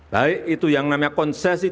baik itu yang namanya konsesi